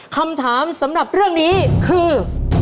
คำถามสำหรับเรื่องนี้คือ